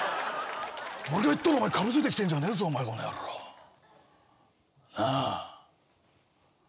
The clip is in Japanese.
俺が言ったのかぶせてきてんじゃねえぞお前この野郎。なあ。